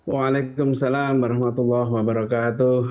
waalaikumsalam warahmatullahi wabarakatuh